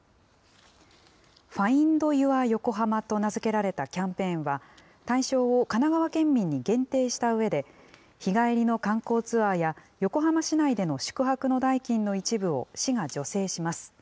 ファインド・ユア・ヨコハマと名付けられたキャンペーンは、対象を神奈川県民に限定したうえで、日帰りの観光ツアーや、横浜市内での宿泊の代金の一部を市が助成します。